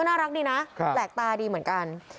เป็นลุคใหม่ที่หลายคนไม่คุ้นเคย